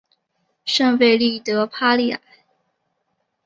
圣费利德帕利埃。